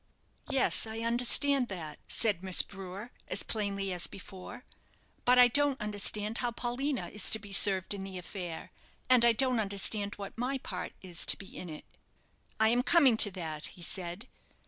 "Yes, I understand that," said Miss Brewer, as plainly as before; "but I don't understand how Paulina is to be served in the affair, and I don't understand what my part is to be in it." "I am coming to that," he said.